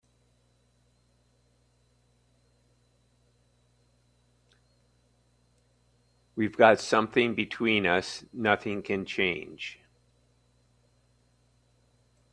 We've got something between us nothing can change.